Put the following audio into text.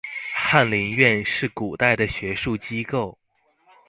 翰林院是古代的學術機構